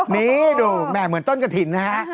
นี่ดูแม่เหมือนต้นกระถิ่นนะฮะ